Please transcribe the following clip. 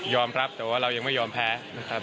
ครับแต่ว่าเรายังไม่ยอมแพ้นะครับ